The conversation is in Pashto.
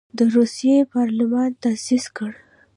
د روسیې پارلمان تاسیس کړ.